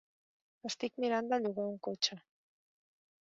Estic mirant de llogar un cotxe.